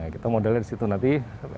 kita modelnya di situ nanti